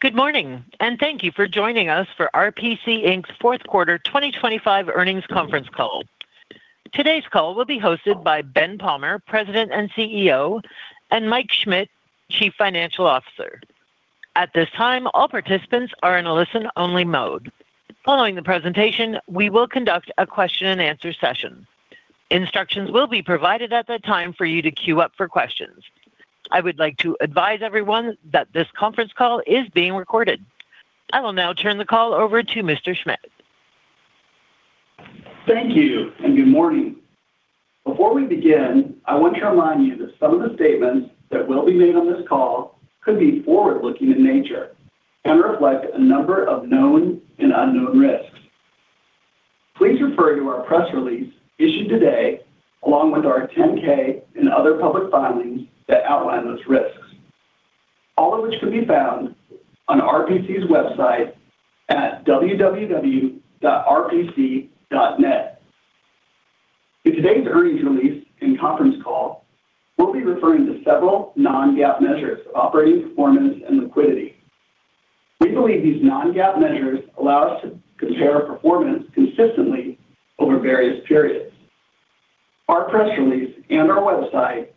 Good morning, and thank you for joining us for RPC Inc.'s fourth quarter 2025 earnings conference call. Today's call will be hosted by Ben Palmer, President and CEO, and Mike Schmidt, Chief Financial Officer. At this time, all participants are in a listen-only mode. Following the presentation, we will conduct a question and answer session. Instructions will be provided at that time for you to queue up for questions. I would like to advise everyone that this conference call is being recorded. I will now turn the call over to Mr. Schmidt. Thank you, and good morning. Before we begin, I want to remind you that some of the statements that will be made on this call could be forward-looking in nature and reflect a number of known and unknown risks. Please refer to our press release issued today, along with our 10-K and other public filings that outline those risks, all of which can be found on RPC's website at www.rpc.net. In today's earnings release and conference call, we'll be referring to several non-GAAP measures of operating performance and liquidity. We believe these non-GAAP measures allow us to compare our performance consistently over various periods. Our press release and our website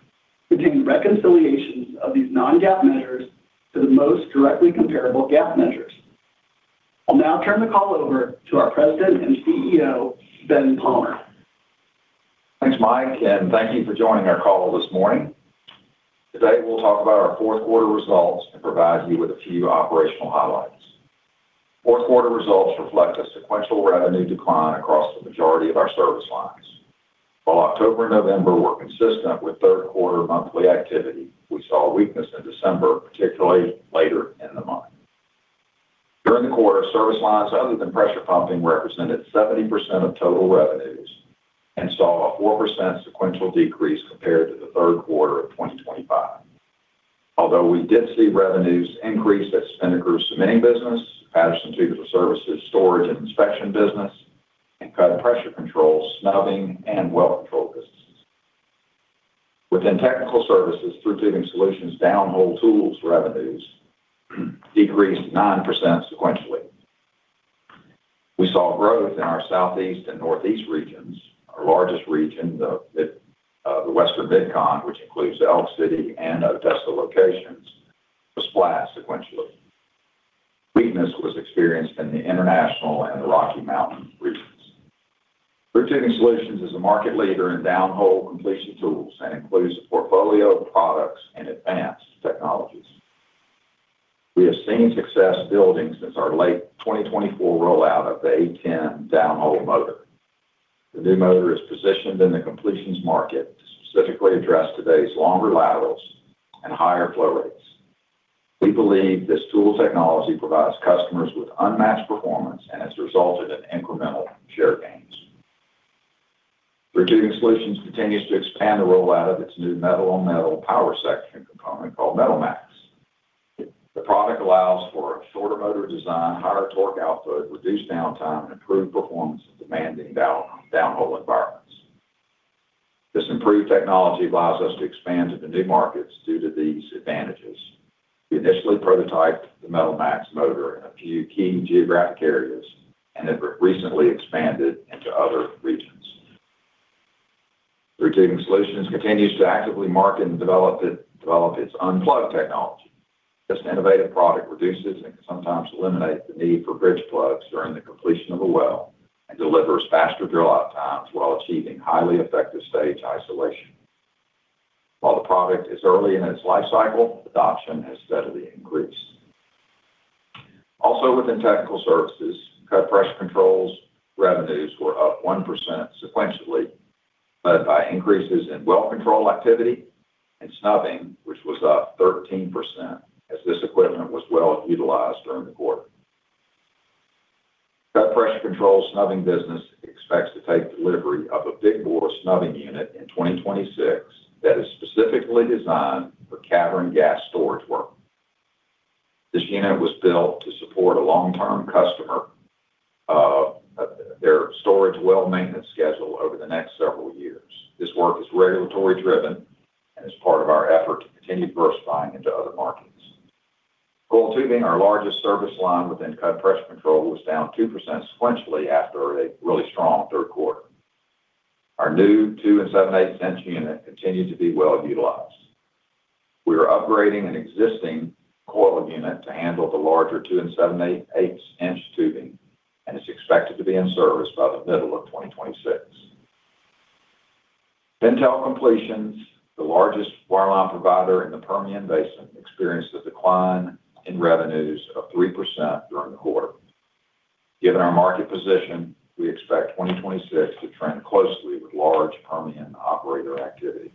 contain reconciliations of these non-GAAP measures to the most directly comparable GAAP measures. I'll now turn the call over to our President and CEO, Ben Palmer. Thanks, Mike, and thank you for joining our call this morning. Today, we'll talk about our fourth quarter results and provide you with a few operational highlights. Fourth quarter results reflect a sequential revenue decline across the majority of our service lines. While October and November were consistent with third quarter monthly activity, we saw a weakness in December, particularly later in the month. During the quarter, service lines other than pressure pumping represented 70% of total revenues and saw a 4% sequential decrease compared to the third quarter of 2025. Although we did see revenues increase at Spinnaker Cementing Solutions, Patterson Tubular Services, storage and inspection business, and Cudd Pressure Control, snubbing, and well control businesses. Within technical services, Thru Tubing Solutions, downhole tools revenues decreased 9% sequentially. We saw growth in our Southeast and Northeast regions. Our largest region, the Western MidCon, which includes the Elk City and Odessa locations, was flat sequentially. Weakness was experienced in the International and the Rocky Mountain regions. Thru Tubing Solutions is a market leader in downhole completion tools and includes a portfolio of products and advanced technologies. We have seen success building since our late 2024 rollout of the A-10 downhole motor. The new motor is positioned in the completions market to specifically address today's longer laterals and higher flow rates. We believe this tool technology provides customers with unmatched performance and has resulted in incremental share gains. Thru Tubing Solutions continues to expand the rollout of its new metal-on-metal power section component called MetalMax. The product allows for a shorter motor design, higher torque output, reduced downtime, and improved performance in demanding downhole environments. This improved technology allows us to expand into new markets due to these advantages. We initially prototyped the MetalMax motor in a few key geographic areas and have recently expanded into other regions. Thru Tubing Solutions continues to actively market and develop it, develop its UnPlug technology. This innovative product reduces and can sometimes eliminate the need for bridge plugs during the completion of a well and delivers faster drill out times while achieving highly effective stage isolation. While the product is early in its life cycle, adoption has steadily increased. Also, within technical services, Cudd Pressure Control revenues were up 1% sequentially, led by increases in well control activity and snubbing, which was up 13%, as this equipment was well utilized during the quarter. Cudd Pressure Control snubbing business expects to take delivery of a big bore snubbing unit in 2026 that is specifically designed for cavern gas storage work. This unit was built to support a long-term customer, their storage well maintenance schedule over the next several years. This work is regulatory driven and is part of our effort to continue diversifying into other markets. Coil tubing, our largest service line within Cudd Pressure Control, was down 2% sequentially after a really strong third quarter. Our new 2 7/8-inch unit continued to be well utilized. We are upgrading an existing coil unit to handle the larger 2 7/8-inch tubing, and it's expected to be in service by the middle of 2026. Pintail Completions, the largest wireline provider in the Permian Basin, experienced a decline in revenues of 3% during the quarter. Given our market position, we expect 2026 to trend closely with large Permian operator activity.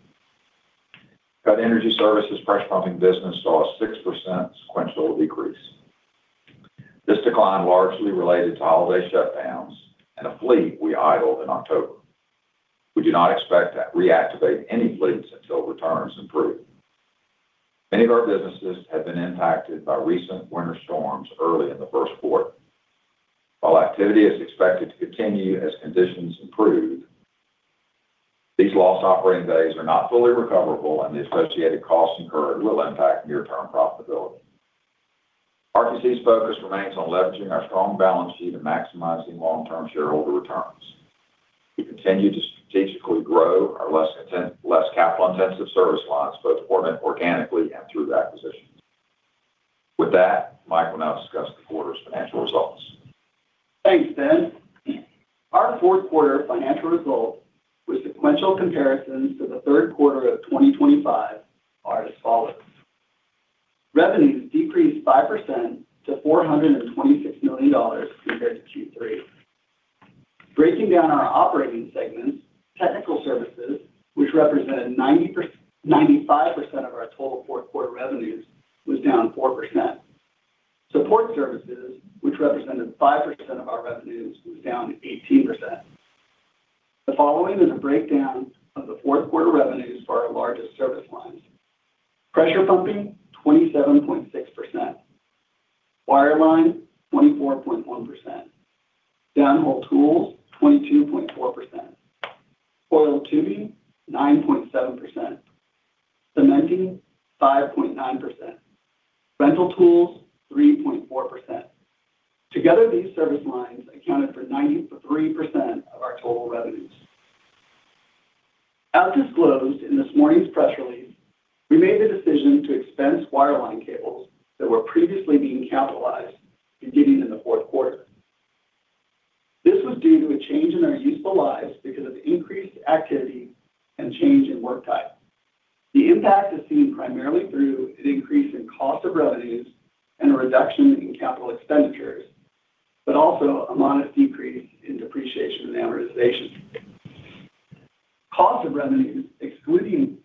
Cudd Energy Services pressure pumping business saw a 6% sequential decrease. This decline largely related to holiday shutdowns and a fleet we idled in October. We do not expect to reactivate any fleets until returns improve. Many of our businesses have been impacted by recent winter storms early in the first quarter. While activity is expected to continue as conditions improve. These lost operating days are not fully recoverable, and the associated costs incurred will impact near-term profitability. RPC's focus remains on leveraging our strong balance sheet and maximizing long-term shareholder returns. We continue to strategically grow our less capital-intensive service lines, both organically and through acquisitions. With that, Mike will now discuss the quarter's financial results. Thanks, Ben. Our fourth quarter financial results with sequential comparisons to the third quarter of 2025 are as follows: Revenues decreased 5% to $426 million compared to Q3. Breaking down our operating segments, technical services, which represented ninety-five percent of our total fourth quarter revenues, was down 4%. Support services, which represented 5% of our revenues, was down 18%. The following is a breakdown of the fourth quarter revenues for our largest service lines. Pressure pumping, 27.6%. Wireline, 24.1%. Downhole tools, 22.4%. Coiled tubing, 9.7%. Cementing, 5.9%. Rental tools, 3.4%. Together, these service lines accounted for 93% of our total revenues. As disclosed in this morning's press release, we made the decision to expense wireline cables that were previously being capitalized beginning in the fourth quarter. This was due to a change in our useful lives because of increased activity and change in work type. The impact is seen primarily through an increase in cost of revenues and a reduction in capital expenditures, but also a modest decrease in depreciation and amortization. Cost of revenues, excluding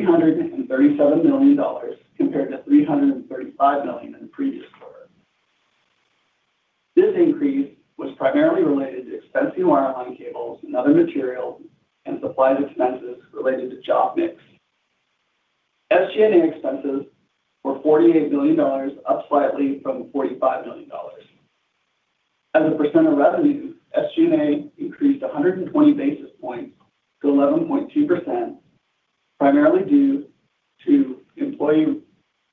depreciation and amortization, was $337 million, compared to $335 million in the previous quarter. This increase was primarily related to expensing wireline cables and other materials and supplies expenses related to job mix. SG&A expenses were $48 million, up slightly from $45 million. As a percent of revenues, SG&A increased 120 basis points to 11.2%, primarily due to employee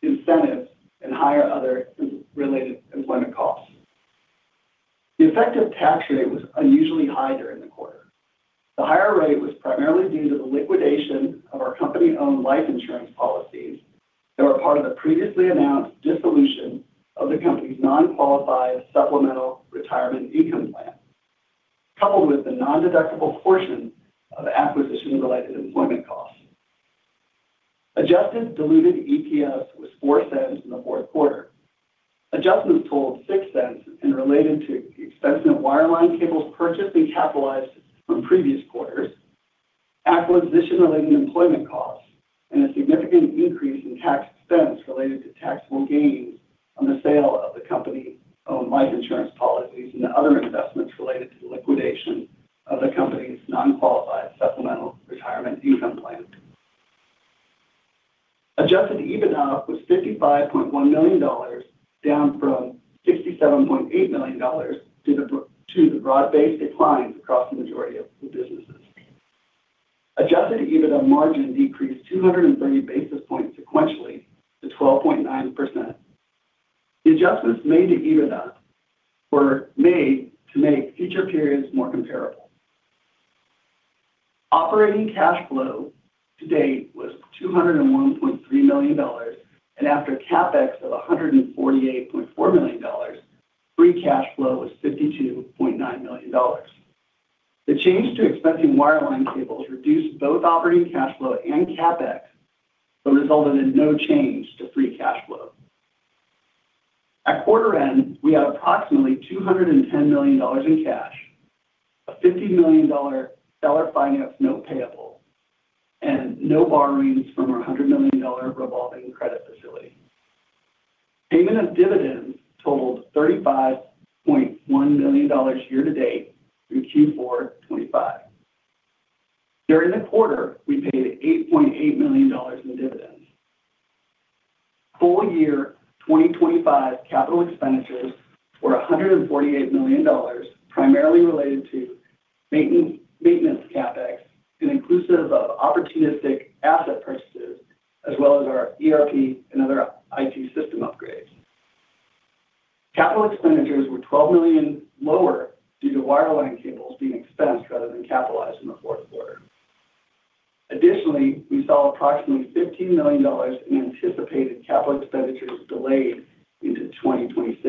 incentives and higher other related employment costs. The effective tax rate was unusually high during the quarter. The higher rate was primarily due to the liquidation of our company-owned life insurance policies that were part of the previously announced dissolution of the company's non-qualified supplemental retirement income plan, coupled with the non-deductible portion of the acquisition-related employment costs. Adjusted diluted EPS was $0.04 in the fourth quarter. Adjustments totaled $0.06 and related to the expense of wireline cables purchased and capitalized from previous quarters, acquisition-related employment costs, and a significant increase in tax expense related to taxable gains on the sale of the company-owned life insurance policies and other investments related to the liquidation of the company's non-qualified supplemental retirement income plan. Adjusted EBITDA was $55.1 million, down from $67.8 million, due to broad-based declines across the majority of the businesses. Adjusted EBITDA margin decreased 230 basis points sequentially to 12.9%. The adjustments made to EBITDA were made to make future periods more comparable. Operating cash flow to date was $201.3 million, and after CapEx of $148.4 million, free cash flow was $52.9 million. The change to expensing wireline cables reduced both operating cash flow and CapEx, but resulted in no change to free cash flow. At quarter end, we had approximately $210 million in cash, a $50 million seller finance note payable, and no borrowings from our $100 million revolving credit facility. Payment of dividends totaled $35.1 million year to date through Q4 2025. During the quarter, we paid $8.8 million in dividends. Full year 2025 capital expenditures were $148 million, primarily related to maintenance, maintenance CapEx, and inclusive of opportunistic asset purchases, as well as our ERP and other IT system upgrades. Capital expenditures were $12 million lower due to wireline cables being expensed rather than capitalized in the fourth quarter. Additionally, we saw approximately $15 million in anticipated capital expenditures delayed into 2026.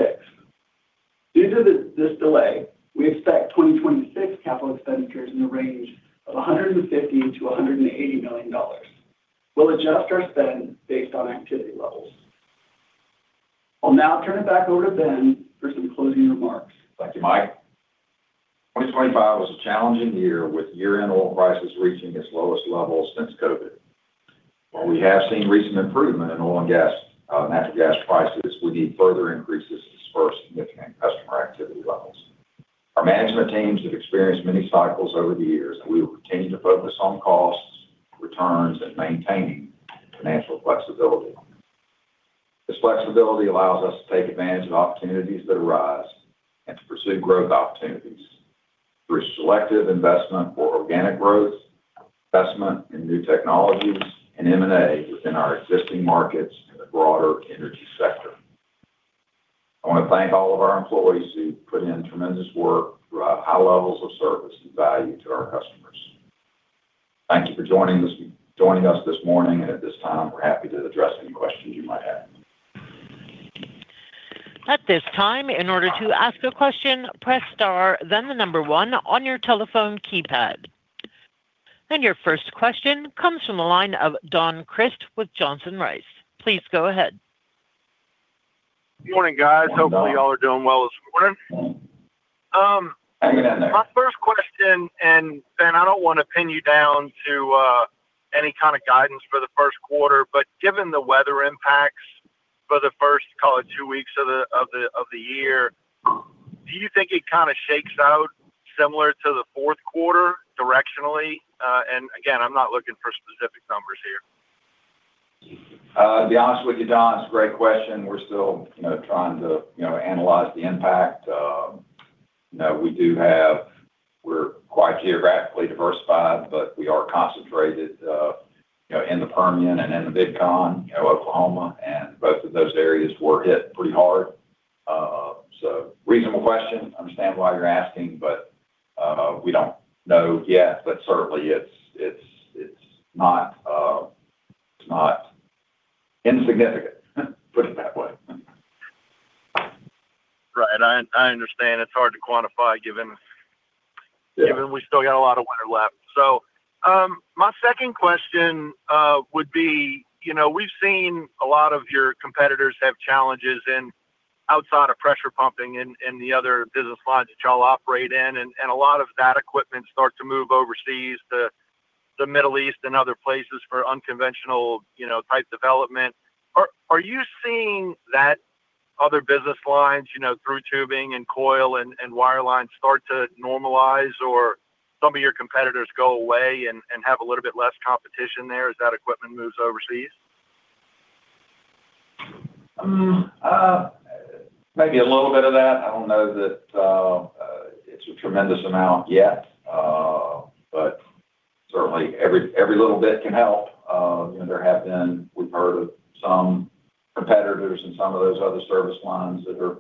Due to this, this delay, we expect 2026 capital expenditures in the range of $150 million-$180 million. We'll adjust our spend based on activity levels. I'll now turn it back over to Ben for some closing remarks. Thank you, Mike. 2025 was a challenging year, with year-end oil prices reaching its lowest level since COVID. While we have seen recent improvement in oil and gas, natural gas prices, we need further increases to disperse significant customer activity levels. Our management teams have experienced many cycles over the years, and we will continue to focus on costs, returns, and maintaining financial flexibility. This flexibility allows us to take advantage of opportunities that arise and to pursue growth opportunities through selective investment for organic growth, investment in new technologies, and M&A within our existing markets in the broader energy sector. I want to thank all of our employees who put in tremendous work, provide high levels of service and value to our customers. Thank you for joining us, joining us this morning, and at this time, we're happy to address any questions you might have. At this time, in order to ask a question, press Star, then the number 1 on your telephone keypad. And your first question comes from the line of Don Crist with Johnson Rice. Please go ahead. Good morning, guys. Good morning, Don. Hopefully, y'all are doing well this morning. Hang in there. My first question, and, Ben, I don't want to pin you down to any kind of guidance for the first quarter, but given the weather impacts for the first, call it two weeks of the year, do you think it kind of shakes out similar to the fourth quarter directionally? And again, I'm not looking for specific numbers here. To be honest with you, Don, it's a great question. We're still, you know, trying to, you know, analyze the impact. You know, we do have-- we're quite geographically diversified, but we are concentrated, you know, in the Permian and in the MidCon, you know, Oklahoma, and both of those areas were hit pretty hard. So reasonable question. I understand why you're asking, but, we don't know yet, but certainly, it's, it's, it's not, it's not insignificant. Put it that way. Right. I understand it's hard to quantify, given- Yeah ...given we still got a lot of winter left. My second question would be, you know, we've seen a lot of your competitors have challenges outside of pressure pumping in the other business lines that y'all operate in, and a lot of that equipment start to move overseas to the Middle East and other places for unconventional, you know, type development. Are you seeing that other business lines, you know, Thru Tubing and coil and wireline start to normalize, or some of your competitors go away and have a little bit less competition there as that equipment moves overseas? Maybe a little bit of that. I don't know that it's a tremendous amount yet, but certainly every little bit can help. You know, there have been. We've heard of some competitors and some of those other service lines that are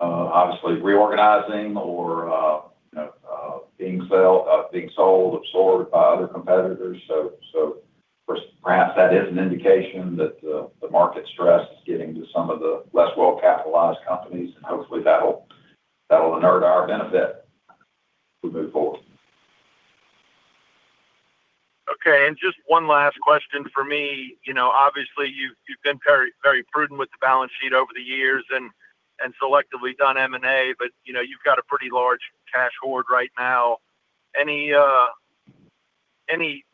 obviously reorganizing or, you know, being sold, absorbed by other competitors. So perhaps that is an indication that the market stress is getting to some of the less well-capitalized companies, and hopefully that'll inure to our benefit as we move forward. Okay, and just one last question for me. You know, obviously, you've, you've been very, very prudent with the balance sheet over the years and, and selectively done M&A, but, you know, you've got a pretty large cash hoard right now. Any, any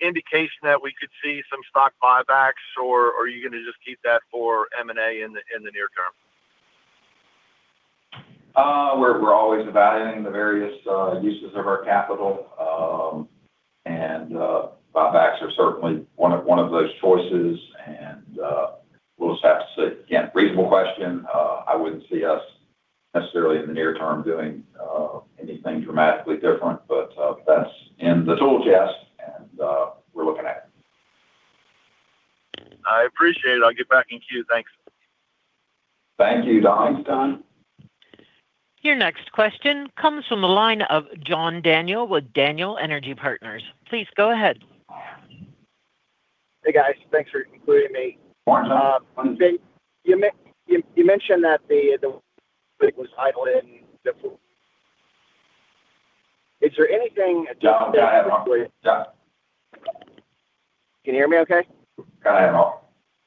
indication that we could see some stock buybacks, or, or are you gonna just keep that for M&A in the, in the near term? We're always evaluating the various uses of our capital. And buybacks are certainly one of those choices, and we'll just have to see. Again, reasonable question. I wouldn't see us necessarily in the near term doing anything dramatically different, but that's in the tool chest, and we're looking at it. I appreciate it. I'll get back in queue. Thanks. Thank you, Don. Thanks, Don. Your next question comes from the line of John Daniel with Daniel Energy Partners. Please go ahead. Hey, guys. Thanks for including me. Morning, John. You mentioned that the fleet was idle in the... Is there anything- John, can I interrupt? John. Can you hear me okay? Kind of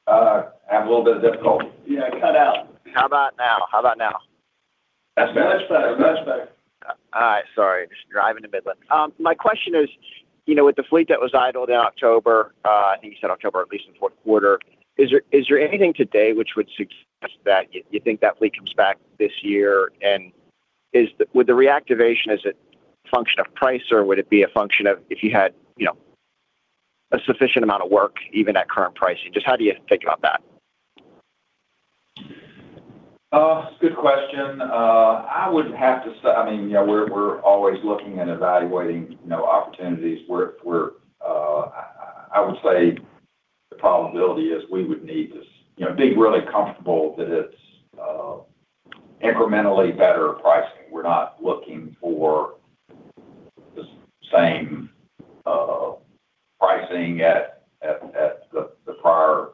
hard. Having a little bit of difficulty. Yeah, cut out. How about now? How about now? That's better. Much better. Much better. All right. Sorry, just driving to Midland. My question is, you know, with the fleet that was idled in October, I think you said October, at least in fourth quarter, is there anything today which would suggest that you think that fleet comes back this year? And with the reactivation, is it function of price, or would it be a function of if you had, you know, a sufficient amount of work, even at current pricing? Just how do you think about that? Good question. I mean, you know, we're always looking and evaluating, you know, opportunities where I would say the probability is we would need this, you know, being really comfortable that it's incrementally better pricing. We're not looking for the same pricing at the prior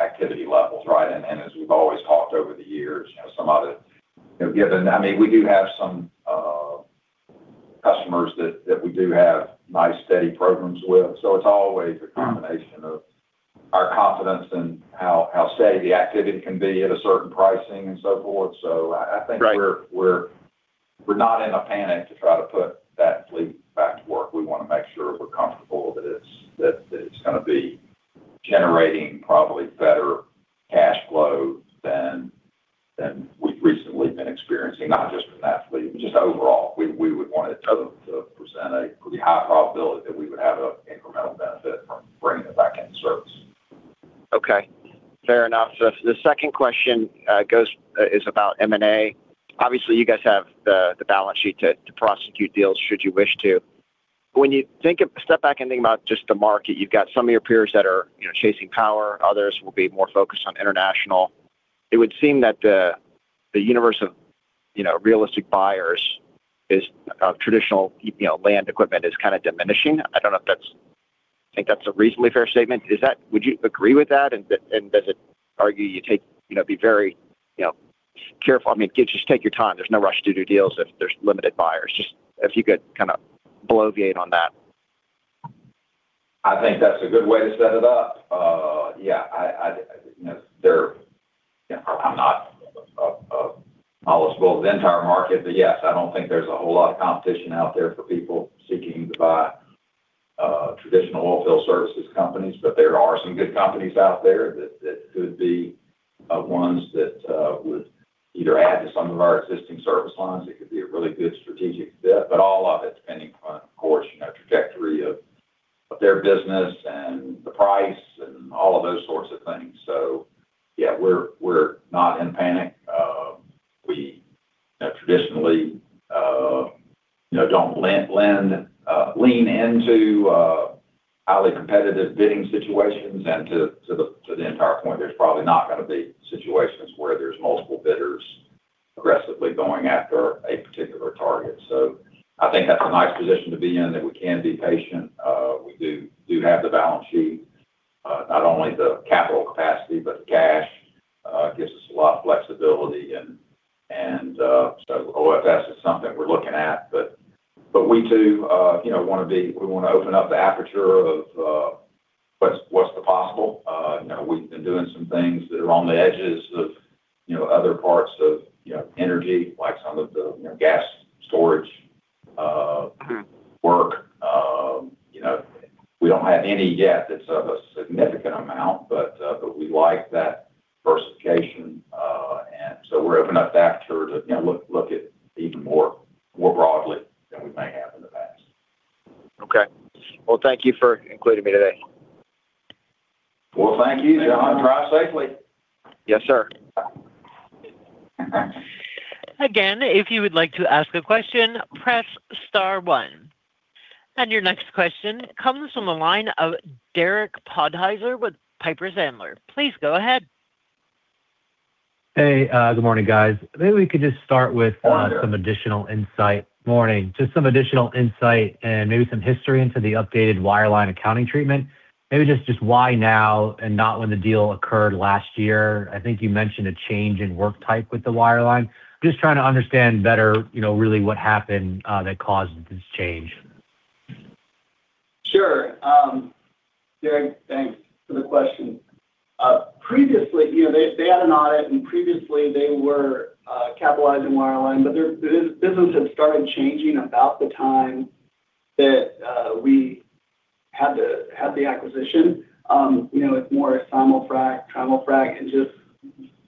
activity levels, right? And as we've always talked over the years, you know, some of it, you know, given, I mean, we do have some customers that we do have nice, steady programs with. So it's always a combination of our confidence in how steady the activity can be at a certain pricing and so forth. So I think- Right... we're not in a panic to try to put that fleet back to work. We wanna make sure we're comfortable that it's that it's gonna be generating probably better cash flow... than we've recently been experiencing, not just from that, but just overall. We would want to tell them to present a pretty high probability that we would have an incremental benefit from bringing it back into service. Okay, fair enough. So the second question is about M&A. Obviously, you guys have the balance sheet to prosecute deals, should you wish to. When you think of step back and think about just the market, you've got some of your peers that are, you know, chasing power, others will be more focused on international. It would seem that the universe of, you know, realistic buyers is traditional, you know, land equipment is kinda diminishing. I don't know if that's think that's a reasonably fair statement. Is that would you agree with that? And does it argue you take, you know, be very, you know, careful. I mean, just take your time. There's no rush to do deals if there's limited buyers. Just if you could kinda bloviate on that. I think that's a good way to set it up. Yeah, you know, I'm not well-versed with the entire market, but yes, I don't think there's a whole lot of competition out there for people seeking to buy traditional oilfield services companies. But there are some good companies out there that could be ones that would either add to some of our existing service lines. It could be a really good strategic fit, but all of it depending on, of course, you know, trajectory of their business and the price and all of those sorts of things. So yeah, we're not in panic. We, you know, traditionally, you know, don't lean into highly competitive bidding situations. And to the entire point, there's probably not gonna be situations where there's multiple bidders aggressively going after a particular target. So I think that's a nice position to be in, that we can be patient. We do have the balance sheet, not only the capital capacity, but the cash gives us a lot of flexibility, and so OFS is something we're looking at. But we too, you know, wanna be—we wanna open up the aperture of, what's the possible. You know, we've been doing some things that are on the edges of, you know, other parts of, you know, energy, like some of the, you know, gas storage work. You know, we don't have any yet that's of a significant amount, but, but we like that diversification, and so we're opening up the aperture to, you know, look at even more broadly than we may have in the past. Okay. Well, thank you for including me today. Well, thank you, John. Drive safely. Yes, sir. Again, if you would like to ask a question, press star one. Your next question comes from the line of Derek Podhaizer with Piper Sandler. Please go ahead. Hey, good morning, guys. Maybe we could just start with- Morning. Some additional insight. Morning. Just some additional insight and maybe some history into the updated wireline accounting treatment. Maybe just, just why now and not when the deal occurred last year? I think you mentioned a change in work type with the wireline. Just trying to understand better, you know, really what happened that caused this change. Sure. Derek, thanks for the question. Previously, you know, they, they had an audit, and previously they were capitalizing wireline, but their business had started changing about the time that we had the acquisition. You know, it's more Simul-frac, trimul-frac, and just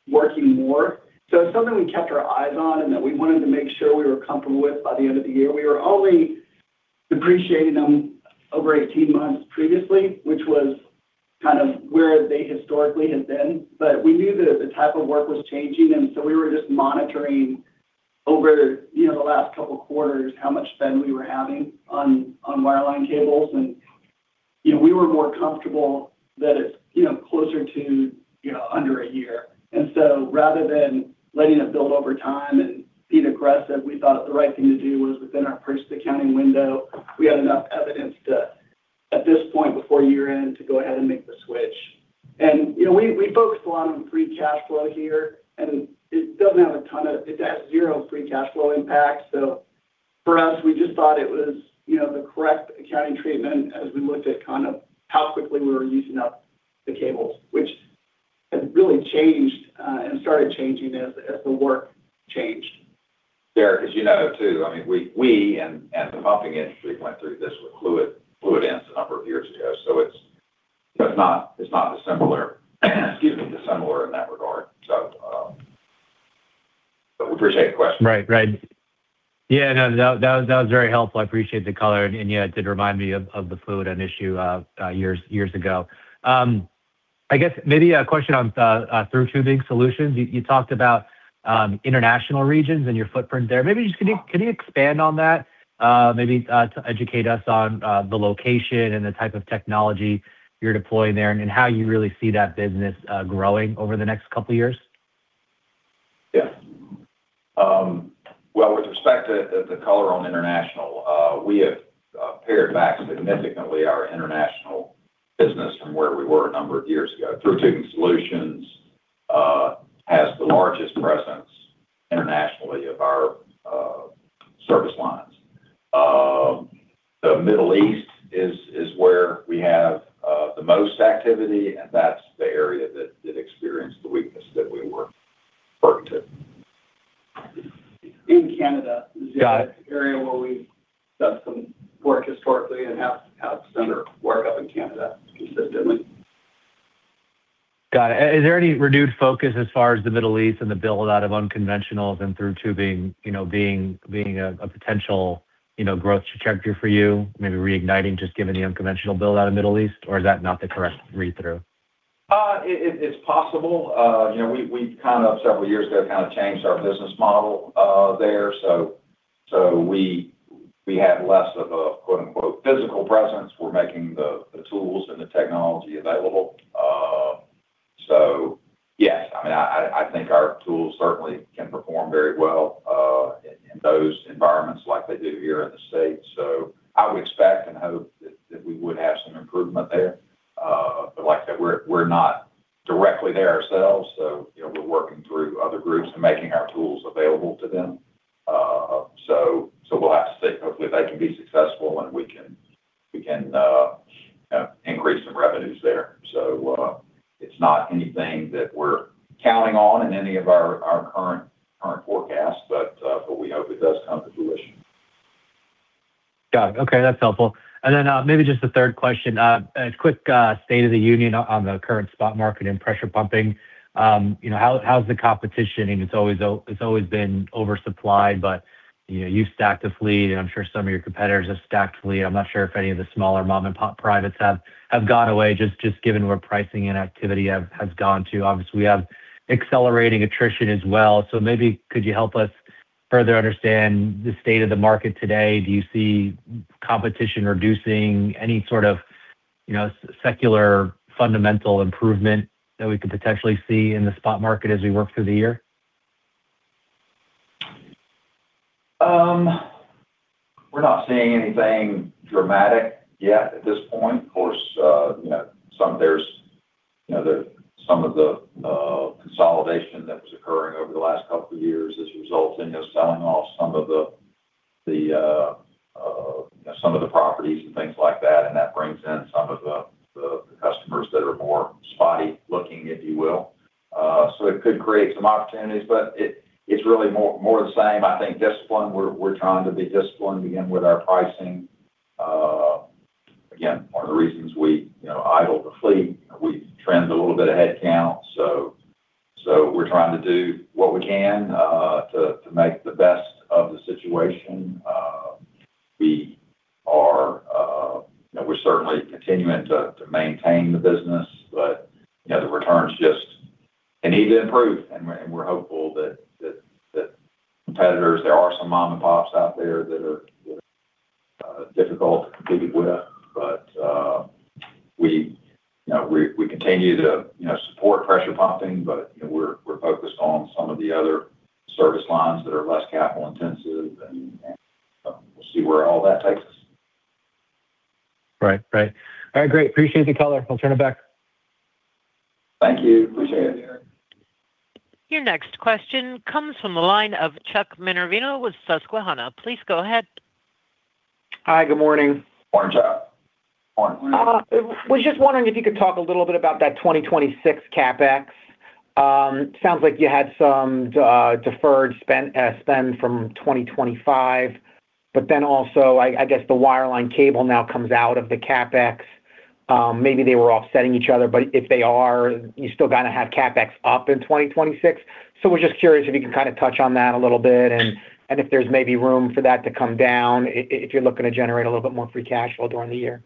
working more. So it's something we kept our eyes on and that we wanted to make sure we were comfortable with by the end of the year. We were only depreciating them over 18 months previously, which was kind of where they historically had been. But we knew that the type of work was changing, and so we were just monitoring over, you know, the last couple of quarters, how much spend we were having on wireline cables. And, you know, we were more comfortable that it's, you know, closer to, you know, under a year. Rather than letting it build over time and being aggressive, we thought the right thing to do was within our first accounting window. We had enough evidence to, at this point, before year-end, to go ahead and make the switch. And, you know, we focused a lot on free cash flow here, and it doesn't have a ton of. It has zero free cash flow impact. So for us, we just thought it was, you know, the correct accounting treatment as we looked at kind of how quickly we were using up the cables, which has really changed, and started changing as the work changed. Derek, as you know, too, I mean, we and the pumping industry went through this with fluid ends a number of years ago, so it's not dissimilar, excuse me, dissimilar in that regard. So, but we appreciate the question. Right. Right. Yeah, no, that was very helpful. I appreciate the color, and yeah, it did remind me of the fluid end issue years ago. I guess maybe a question on Thru Tubing Solutions. You talked about international regions and your footprint there. Maybe just can you expand on that, maybe to educate us on the location and the type of technology you're deploying there, and how you really see that business growing over the next couple of years? Yeah. Well, with respect to the color on international, we have pared back significantly our international business from where we were a number of years ago. Thru Tubing Solutions has the largest presence internationally of our service lines. The Middle East is where we have the most activity, and that's the area that experienced the weakness that we were referring to. Canada is an area where we've done some work historically and have some work up in Canada consistently. Got it. Is there any renewed focus as far as the Middle East and the build out of unconventionals and through tubing, you know, being a potential, you know, growth trajectory for you? Maybe reigniting, just given the unconventional build out of Middle East, or is that not the correct read-through? It's possible. You know, we kind of several years ago kind of changed our business model there. So we have less of a quote-unquote, "physical presence." We're making the tools and the technology available. So yes, I mean, I think our tools certainly can perform very well in those environments like they do here in the States. So I would expect and hope that we would have some improvement there. But like I said, we're not directly there ourselves, so you know, we're working through other groups and making our tools available to them. So we'll have to see. Hopefully, they can be successful, and we can increase some revenues there. It's not anything that we're counting on in any of our current forecasts, but we hope it does come to fruition. Got it. Okay, that's helpful. And then, maybe just a third question. A quick state of the union on the current spot market and pressure pumping. You know, how's the competition? It's always, it's always been oversupplied, but, you know, you've stacked the fleet, and I'm sure some of your competitors have stacked the fleet. I'm not sure if any of the smaller mom-and-pop privates have gone away, just given where pricing and activity has gone to. Obviously, we have accelerating attrition as well. So maybe could you help us further understand the state of the market today? Do you see competition reducing any sort of, you know, secular fundamental improvement that we could potentially see in the spot market as we work through the year? We're not seeing anything dramatic yet at this point. Of course, you know, some of the consolidation that was occurring over the last couple of years has resulted in us selling off some of the properties and things like that, and that brings in some of the customers that are more spotty looking, if you will. So it could create some opportunities, but it's really more the same. I think discipline, we're trying to be disciplined again with our pricing. Again, one of the reasons we, you know, idle the fleet, we trimmed a little bit of headcount. So we're trying to do what we can to make the best of the situation. We are... You know, we're certainly continuing to maintain the business, but, you know, the returns just need to improve, and we're hopeful that competitors, there are some mom-and-pops out there that are difficult to compete with. But, you know, we continue to support pressure pumping, but, you know, we're focused on some of the other service lines that are less capital intensive, and we'll see where all that takes us. Right. Right. All right, great. Appreciate the color. I'll turn it back. Thank you. Appreciate it. Your next question comes from the line of Charles Minervino with Susquehanna. Please go ahead. Hi, good morning. Morning, Chuck. Morning. Was just wondering if you could talk a little bit about that 2026 CapEx. Sounds like you had some deferred spend, spend from 2025, but then also, I guess the wireline cable now comes out of the CapEx. Maybe they were offsetting each other, but if they are, you still gonna have CapEx up in 2026. So we're just curious if you can kind of touch on that a little bit and if there's maybe room for that to come down, if you're looking to generate a little bit more free cash flow during the year.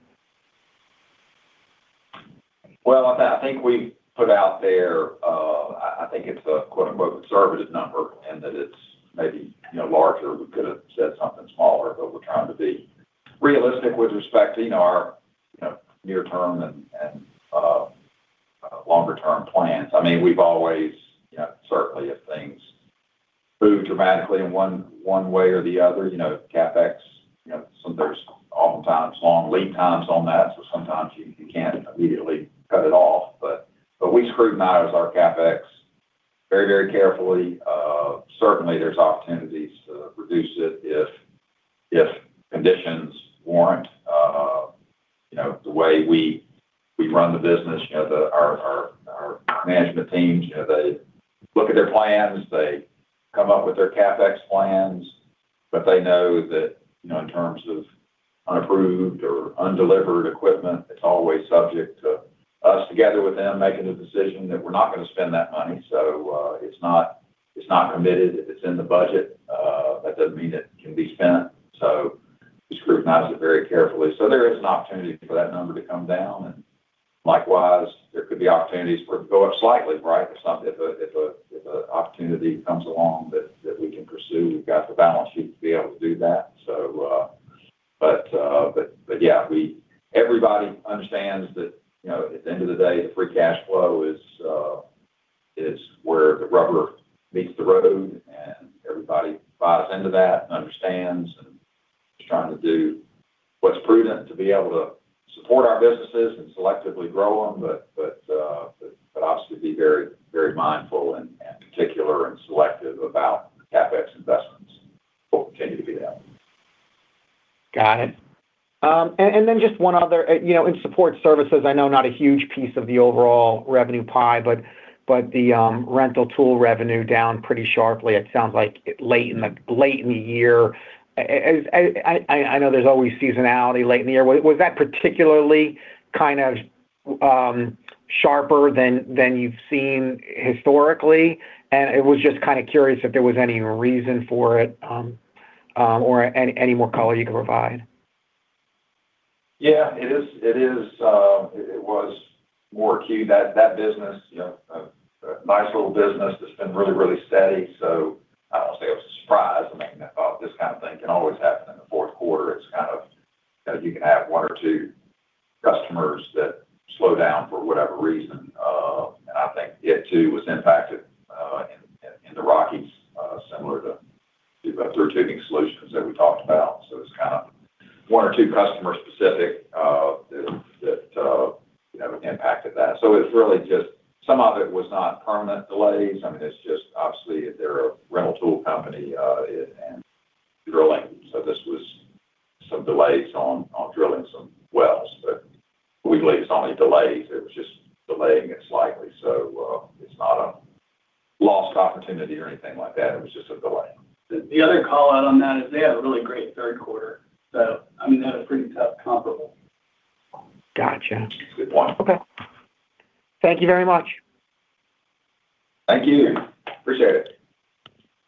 Well, I think we put out there, I think it's a quote-unquote "conservative number," and that it's maybe, you know, larger. We could have said something smaller, but we're trying to be realistic with respecting our, you know, near-term and longer-term plans. I mean, we've always, you know, certainly if things move dramatically in one way or the other, you know, CapEx, you know, sometimes there's oftentimes long lead times on that, so sometimes you can't immediately cut it off. But we scrutinize our CapEx very, very carefully. Certainly, there's opportunities to reduce it if conditions warrant. You know, the way we run the business, you know, the... Our management teams, you know, they look at their plans, they come up with their CapEx plans, but they know that, you know, in terms of unapproved or undelivered equipment, it's always subject to us together with them, making the decision that we're not gonna spend that money. So, it's not committed. If it's in the budget, that doesn't mean it can be spent, so we scrutinize it very carefully. So there is an opportunity for that number to come down, and likewise, there could be opportunities for it to go up slightly, right? If an opportunity comes along that we can pursue, we've got the balance sheet to be able to do that. Yeah, we, everybody understands that, you know, at the end of the day, the free cash flow is where the rubber meets the road, and everybody buys into that and understands, and just trying to do what's prudent to be able to support our businesses and selectively grow them. But obviously, be very, very mindful and particular and selective about the CapEx investments. We'll continue to do that. Got it. And then just one other, you know, in support services, I know not a huge piece of the overall revenue pie, but the rental tool revenue down pretty sharply, it sounds like late in the year. I know there's always seasonality late in the year. Was that particularly kind of sharper than you've seen historically? And I was just kind of curious if there was any reason for it, or any more color you can provide. Yeah, it is, it is, it was more acute. That, that business, you know, a nice little business that's been really, really steady. So I don't say it was a surprise. I mean, I thought this kind of thing can always happen in the fourth quarter. It's kind of, you know, you can have one or two customers that slow down for whatever reason. And I think it too, was impacted in the Rockies, similar to the tubing solutions that we talked about. So it's kind of one or two customer specific, that, that, you know, impacted that. So it's really just some of it was not permanent delays. I mean, it's just obviously they're a rental tool company and drilling. So this was some delays on drilling some wells, but we believe it's only delays. It was just delaying it slightly. So, it's not a lost opportunity or anything like that. It was just a delay. The other call out on that is they had a really great third quarter, so I mean, they had a pretty tough comparable. Gotcha. Good point. Okay. Thank you very much. Thank you. Appreciate it.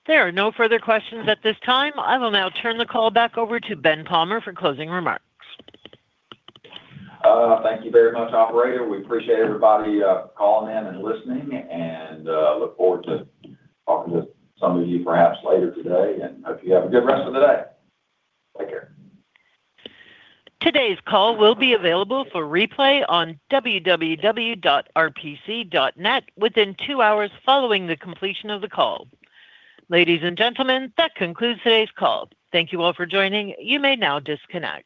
There are no further questions at this time. I will now turn the call back over to Ben Palmer for closing remarks. Thank you very much, operator. We appreciate everybody calling in and listening, and look forward to talking to some of you perhaps later today, and hope you have a good rest of the day. Take care. Today's call will be available for replay on www.rpc.net within two hours following the completion of the call. Ladies and gentlemen, that concludes today's call. Thank you all for joining. You may now disconnect.